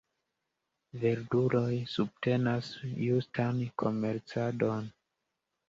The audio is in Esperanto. Verduloj subtenas justan komercadon.